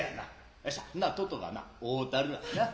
よっしゃほんならトトがな負うたるわなあ。